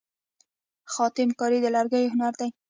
خاتم کاري د لرګیو هنر دی.